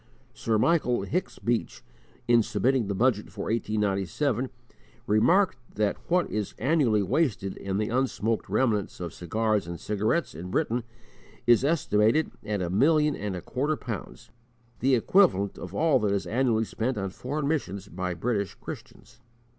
Sir Michael Hicks Beach, in submitting the Budget for 1897, remarked that what is annually wasted in the unsmoked remnants of cigars and cigarettes in Britain is estimated at a million and a quarter pounds the equivalent of all that is annually spent on foreign missions by British Christians.